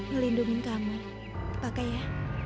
melindungi kamu pakai ya